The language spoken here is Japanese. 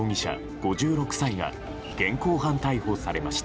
５６歳が現行犯逮捕されました。